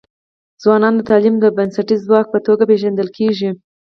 ځوانان د تعلیم د بنسټیز ځواک په توګه پېژندل کيږي.